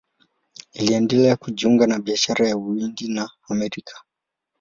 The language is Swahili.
Iliendelea kujiunga na biashara ya Uhindi na Amerika.